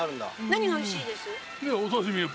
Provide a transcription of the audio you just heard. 何がおいしいです？